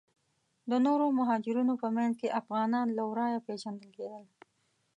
د نورو مهاجرینو په منځ کې افغانان له ورایه پیژندل کیدل.